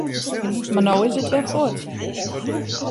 Mar no is it wer fuort.